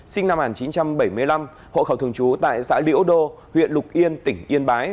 phạm thị yên sinh năm một nghìn chín trăm bảy mươi năm hộ khẩu thường trú tại xã liễu đô huyện lục yên tỉnh yên bái